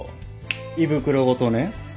胃袋ごとね。